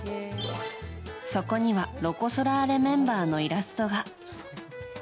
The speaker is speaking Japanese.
そこにはロコ・ソラーレメンバーのイラストが。